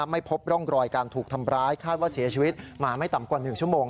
ไม่พบร่องรอยการถูกทำร้ายคาดว่าเสียชีวิตมาไม่ต่ำกว่า๑ชั่วโมง